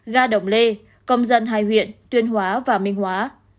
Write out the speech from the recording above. ga đồng lê công dân hai huyện tuyên hóa và minh hóa